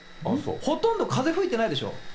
ほとんど風吹いてないでしょう。